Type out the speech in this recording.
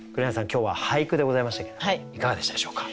今日は俳句でございましたけどいかがでしたでしょうか？